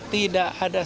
tidak ada saham